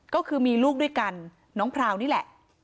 ก็คือมีลูกด้วยกันน้องพราวนี่แหละ